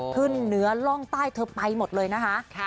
ขึ้นเหนือร่องใต้เธอไปหมดเลยนะคะ